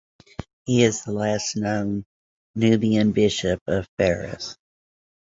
He is the last known Nubian bishop of Faras.